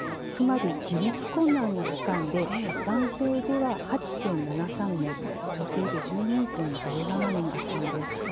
つまり、自立困難な期間で男性は８．７３年女性１２．０７年あったんです。